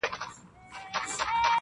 o چي كورنۍ يې.